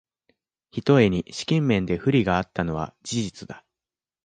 ひとえに資金面で不利があったのは事実だ